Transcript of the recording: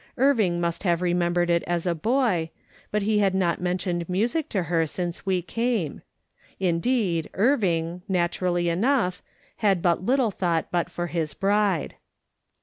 Irving must have remembered it as a boy, but he had not men tioned music to her since we came ; indeed, Irvine, naturally enough, had but little thought but for his bride.